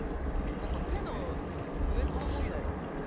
やっぱ手のウェット問題なんですかね？